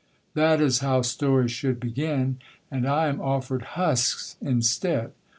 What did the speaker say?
That is how stories should begin. And I am offered HUSKS instead.